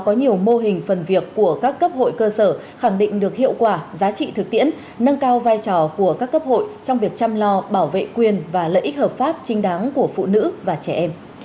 có nhiều mô hình phần việc của các cấp hội cơ sở khẳng định được hiệu quả giá trị thực tiễn nâng cao vai trò của các cấp hội trong việc chăm lo bảo vệ quyền và lợi ích hợp pháp trinh đáng của phụ nữ và trẻ em